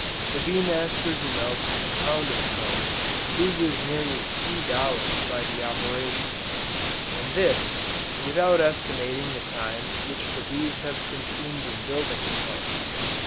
the bee master who melts a pound of comb, loses nearly three dollars by the operation, and this, without estimating the time which the bees have consumed in building the comb.